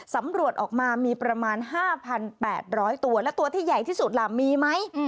สำรวจออกมามีประมาณ๕๘๐๐ตัวและตัวที่ใหญ่ที่สุดล่ะมีไหม